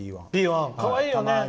かわいいよね。